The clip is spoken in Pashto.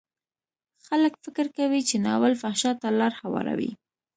خلک فکر کوي چې ناول فحشا ته لار هواروي.